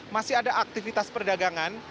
masih ada aktivitas perdagangan